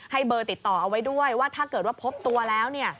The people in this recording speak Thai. เบอร์ติดต่อเอาไว้ด้วยว่าถ้าเกิดว่าพบตัวแล้วเนี่ย